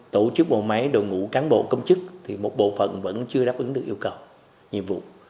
tổ chức bộ máy đội ngũ cán bộ công chức thì một bộ phận vẫn chưa đáp ứng được yêu cầu nhiệm vụ